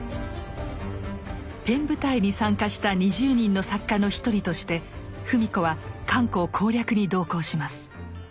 ペン部隊に参加した２０人の作家の一人として芙美子は漢口攻略に同行します。